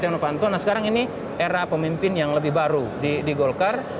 nah sekarang ini era pemimpin yang lebih baru di golkar